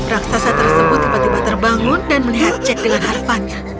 raksasa tersebut tiba tiba terbangun dan melihat jack dengan harapannya